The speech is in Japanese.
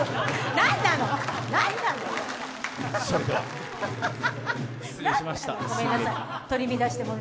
何なの！